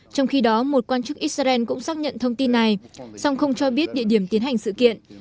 trong khi đó một quan chức israel cũng xác nhận thông tin này song không cho biết địa điểm tiến hành sự kiện